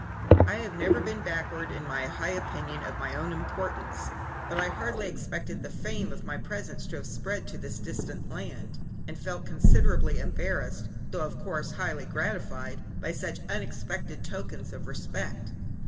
I have never been backward in my high opinion of my own importance, but I hardly expected the fame of my presence to have spread to this distant land, and felt considerably embarrassed, though, of course, highly gratified, by such unexpected tokens of respect.